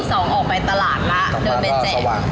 ปี๒ออกไปตลาดน่ะเดินไปแจก